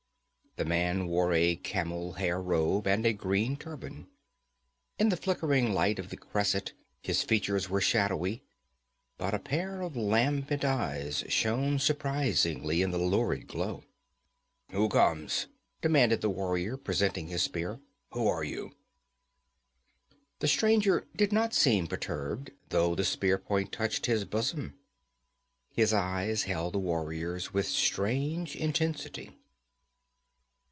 The man wore a camel hair robe and a green turban. In the flickering light of the cresset his features were shadowy, but a pair of lambent eyes shone surprizingly in the lurid glow. 'Who comes?' demanded the warrior, presenting his spear. 'Who are you?' The stranger did not seem perturbed, though the spear point touched his bosom. His eyes held the warrior's with strange intensity.